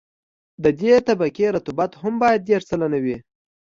د دې طبقې رطوبت هم باید دېرش سلنه وي